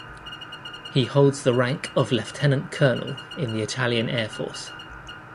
He holds the rank of lieutenant colonel in the Italian Air Force.